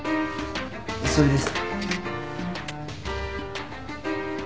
それです。